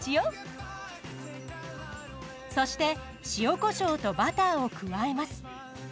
そして塩コショウとバターを加えます。